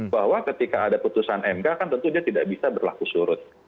bahwa ketika ada putusan mk kan tentu dia tidak bisa berlaku surut